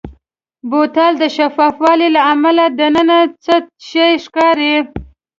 بوتل د شفاف والي له امله دننه څه شی ښکاري.